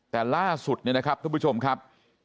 แต่ล่าสุดเนี่ยนะครับ